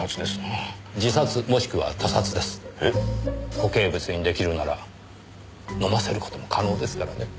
固形物にできるなら飲ませる事も可能ですからね。